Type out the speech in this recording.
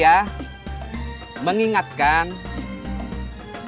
untuk melaksanakan sholat a'idul fitri